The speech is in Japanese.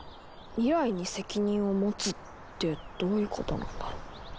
未来に責任を持つってどういうことなんだろう。